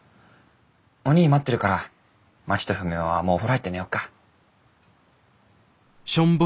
おにぃ待ってるからまちとふみおはもうお風呂入って寝ようか。